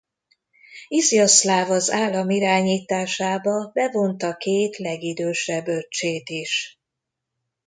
Izjaszláv az állam irányításába bevonta két legidősebb öccsét is.